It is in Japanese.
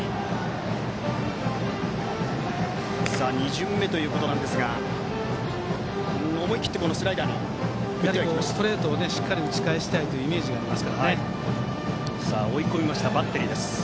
２巡目ということなんですが思い切ってスライダーにストレートをしっかり打ち返したいというイメージがありますからね。